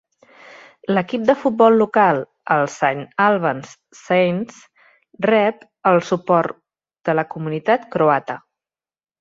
L'equip de futbol local, el Saint Albans Saints, rep el suport de la comunitat croata.